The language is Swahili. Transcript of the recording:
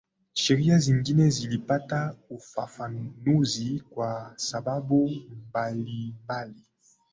sheria zingine zilipata ufafanuzi kwa sababu mbalimbali